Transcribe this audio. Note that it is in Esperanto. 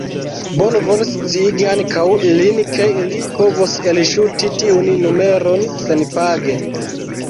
Bonvolu sciigi ankaŭ ilin, ke ili povos elŝuti tiun numeron senpage.